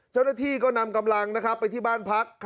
เจ้าหน้าที่ก็นำกำลังไปที่บ้านพัก